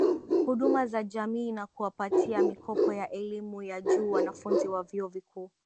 Huduma za jamii na kuwapatia mikopo ya elimu ya juu wanafunzi wa Vyuo Vikuu